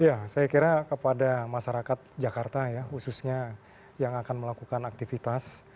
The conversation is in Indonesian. ya saya kira kepada masyarakat jakarta ya khususnya yang akan melakukan aktivitas